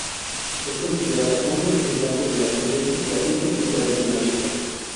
Es considerado un representante de las tendencias clasicistas y tradicionalistas.